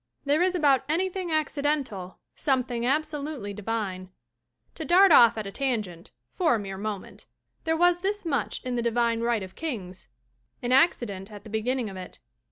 There is about anything accidental something absolutely divine. To dart off at a tangent (for a mere moment) there was this much in the divine right of kings an acci dent at the beginning of it.